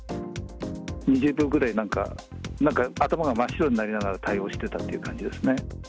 ２０秒ぐらい、なんか、頭が真っ白になりながら対応してたっていう感じですね。